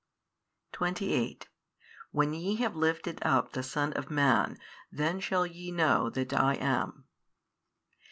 28 When ye have lifted up the Son of Man, then shall ye know that I am.